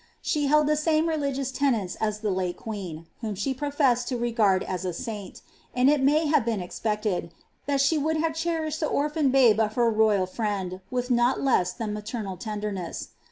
Slie held the same religious tenets as the late queen, whom she professed to regard as a saint ; and it might have been expected that she would have cherished the orphan babe of her royal friend, with not less than maternal tenderness.